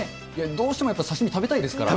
どうしてもやっぱり刺身食べたいですから。